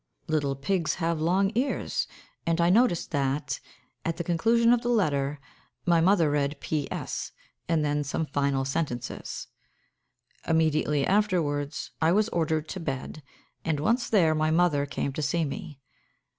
"Little pigs have long ears," and I noticed that, at the conclusion of the letter, my mother read "P.S.," and then some final sentences. Immediately afterwards I was ordered to bed, and, once there, my mother came to see me.